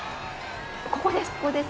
ここです